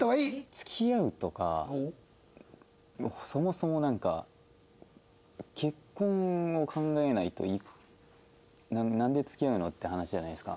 付き合うとかそもそもなんか結婚を考えないとなんで付き合うの？っていう話じゃないですか。